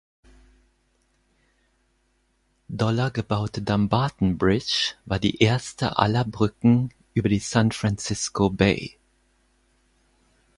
Dollar gebaute Dumbarton Bridge war die erste aller Brücken über die San Francisco Bay.